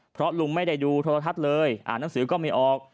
เพราะลุงไม่ได้ดูโทรทัศน์เลยอ่านหนังสือก็ไม่ออก